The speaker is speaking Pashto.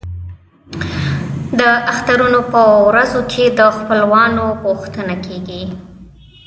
د اخترونو په ورځو کې د خپلوانو پوښتنه کیږي.